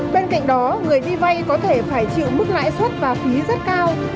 bên cạnh đó người đi vay có thể phải chịu mức lãi suất và phí rất cao